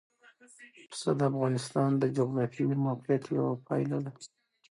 پسه د افغانستان د جغرافیایي موقیعت یوه پایله ده.